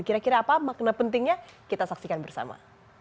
kira kira apa makna pentingnya kita saksikan bersama